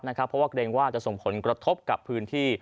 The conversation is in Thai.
เพราะว่าเกรงว่าจะส่งผลกระทบกับพื้นที่